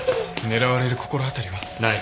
狙われる心当たりは？ない。